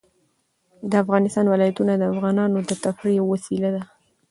د افغانستان ولايتونه د افغانانو د تفریح یوه وسیله ده.